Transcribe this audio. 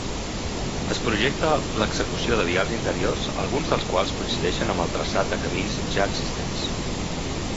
Es projecta l'execució de vials interiors, alguns dels quals coincideixen amb el traçat de camins ja existents.